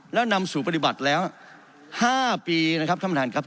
แล้วนำสู่ปฏิบัติแล้ว๕ปีนะครับท่านประธานครับ